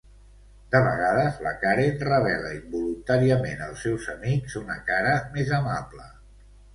De vegades, la Karen revela involuntàriament als seus amics una cara més amable.